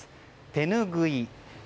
手ぬぐい。